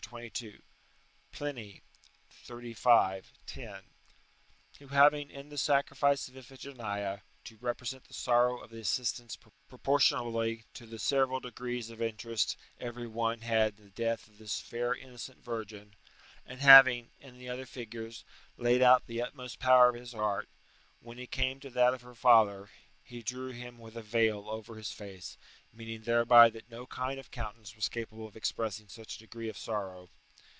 22 ; Pliny, xxxv. 10.] who having, in the sacrifice of Iphigenia, to represent the sorrow of the assistants proportionably to the several degrees of interest every one had in the death of this fair innocent virgin, and having, in the other figures, laid out the utmost power of his art, when he came to that of her father, he drew him with a veil over his face, meaning thereby that no kind of countenance was capable of expressing such a degree of sorrow.